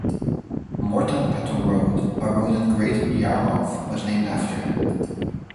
Morton Peto Road, a road in Great Yarmouth, was named after him.